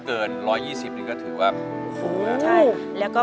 เปลี่ยนเพลงเพลงเก่งของคุณและข้ามผิดได้๑คำ